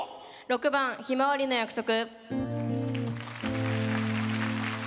６番「ひまわりの約束」。